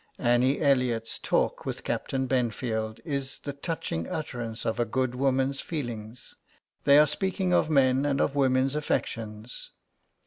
Annie Elliot's talk with Captain Benfield is the touching utterance of a good woman's feelings. They are speaking of men and of women's affections.